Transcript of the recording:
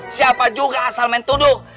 siapa juga asal men tuduh